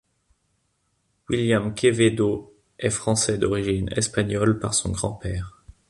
William Quevedo est français d'origine espagnole par son grand-père.